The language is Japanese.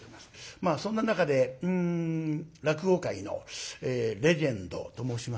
まあそんな中でうん落語界のレジェンドと申しますとね